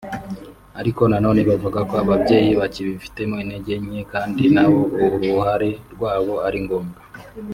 ariko nanone bavuga ko ababyeyi bakibifitemo intege nke kandi na bo uruhare rwabo ari ngombwa